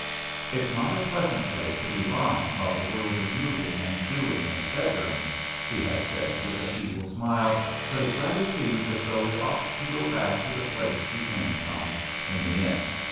"It's not a pleasant place to be lying while the world is moving and doing and bettering," he had said with a feeble smile, "but it rather seems as though we ought to go back to the place we came from, in the end.